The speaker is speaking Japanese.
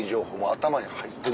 頭に入ってる？